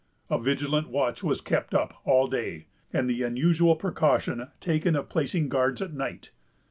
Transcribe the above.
A vigilant watch was kept up all day, and the unusual precaution taken of placing guards at night.